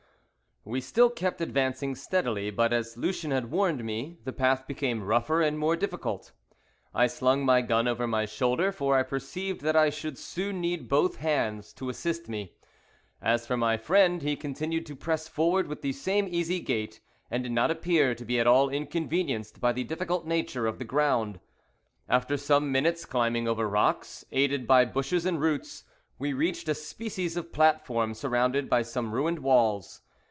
WE still kept advancing steadily, but, as Lucien had warned me, the path became rougher and more difficult. I slung my gun over my shoulder, for I perceived that I should soon need both hands to assist me. As for my friend, he continued to press forward with the same easy gait, and did not appear to be at all inconvenienced by the difficult nature of the ground. After some minutes' climbing over rocks, aided by bushes and roots, we reached a species of platform surmounted by some ruined walls.